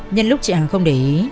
nhân lúc chị hằng không để ý